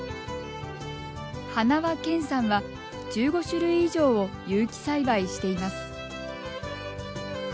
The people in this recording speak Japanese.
塙健さんは１５種類以上を有機栽培しています。